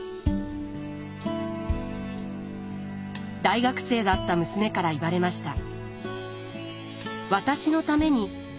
大学生だった娘から言われました。